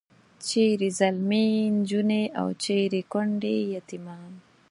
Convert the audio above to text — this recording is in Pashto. چیرې ځلمي نجونې او چیرې کونډې یتیمان.